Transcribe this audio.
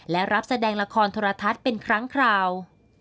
และรับแสดงละครโทรทัศน์เป็นครั้งคราว